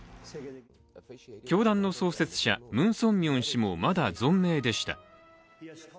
教団の創設者ムン・ソンミョン氏もまだ存命でした。